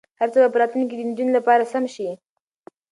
هر څه به په راتلونکي کې د نجونو لپاره سم شي.